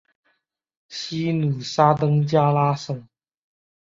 西努沙登加拉省。